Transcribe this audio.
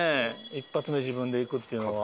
１発目自分で行くっていうのは。